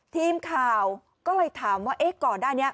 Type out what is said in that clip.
ทีมข่าวก็เลยถามว่าก่อนด้านนี้